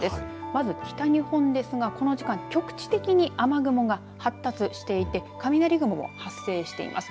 まず北日本ですがこの時間、局地的に雨雲が発達していて雷雲も発生しています。